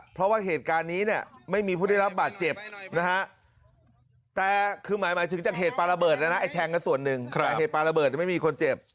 เพราะว่าเหตุการณ์นี้เนี่ยไม่มีพวกได้รับประจำเจ็บ